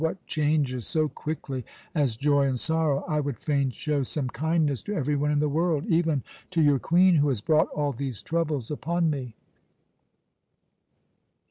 what changes so quickly as joy and sorrow? I would fain show some kindness to every one in the world, even to your Queen, who has brought all these troubles upon me."